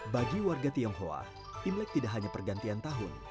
bagi warga tionghoa imlek tidak hanya pergantian tahun